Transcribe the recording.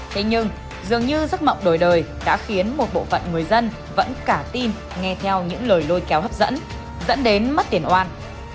thế nhưng dường như giấc mộng đổi đời đã khiến một bộ phận người dân vẫn cả tin nghe theo những lời lôi kéo hấp dẫn dẫn đến mất tiền oan